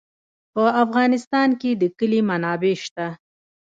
په افغانستان کې د کلي منابع شته.